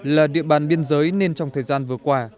là địa bàn biên giới nên trong thời gian vừa qua